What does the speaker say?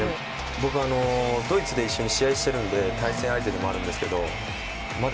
僕はドイツで一緒に試合してるので対戦相手でもあるんですけどまだ